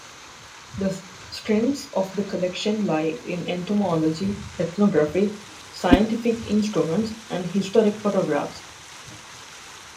The strengths of the collection lie in entomology, ethnography, scientific instruments, and historic photographs.